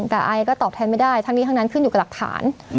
แต่ไอก็ตอบแทนไม่ได้ทั้งนี้ทั้งนั้นขึ้นอยู่กับหลักฐาน